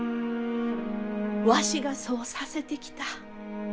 わしがそうさせてきた。